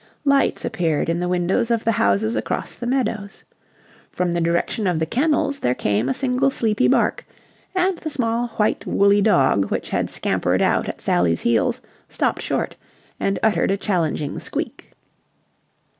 Lights appeared in the windows of the houses across the meadows. From the direction of the kennels there came a single sleepy bark, and the small white woolly dog which had scampered out at Sally's heels stopped short and uttered a challenging squeak.